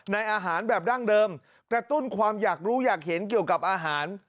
อาหารแบบดั้งเดิมกระตุ้นความอยากรู้อยากเห็นเกี่ยวกับอาหาร